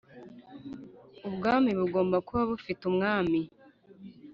Ubwami bugomba kuba bufite umwami